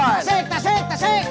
tasik tasik tasik